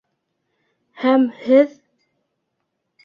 Һәм һеҙ...